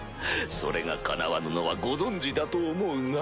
それが叶わぬのはご存じだと思うが？